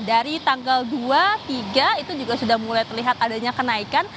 dari tanggal dua tiga itu juga sudah mulai terlihat adanya kenaikan